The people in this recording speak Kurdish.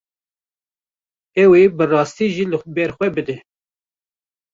Ew ê bi rastî jî li ber xwe bide.